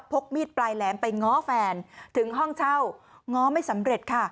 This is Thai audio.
กมีดปลายแหลมไปง้อแฟนถึงห้องเช่าง้อไม่สำเร็จค่ะ